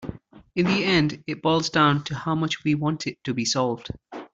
In the end it boils down to how much we want it to be solved.